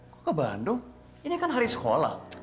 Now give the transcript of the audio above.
kok ke bandung ini kan hari sekolah